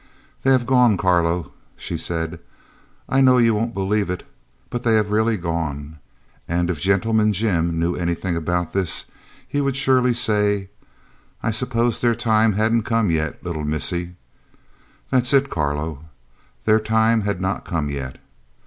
"They have gone, Carlo," she said. "I know you won't believe it, but they have really gone, and if 'Gentleman Jim' knew anything about this, he would surely say, 'I 'spose their time hadn't come yet, little missie.' That's it, Carlo. Their time had not come yet.